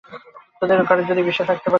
তোরে যদি বিশ্বাস করতে পারতাম!